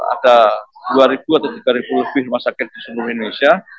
ada dua ribu atau tiga lebih rumah sakit di seluruh indonesia